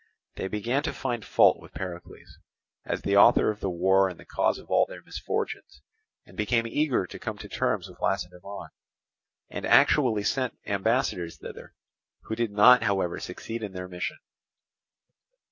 They began to find fault with Pericles, as the author of the war and the cause of all their misfortunes, and became eager to come to terms with Lacedaemon, and actually sent ambassadors thither, who did not however succeed in their mission.